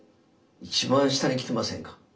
一番下に来てませんか？